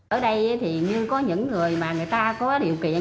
ở đây thì như có những người mà người ta có điều kiện